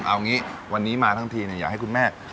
เอางี้วันนี้มาทั้งทีอยากให้คุณแม่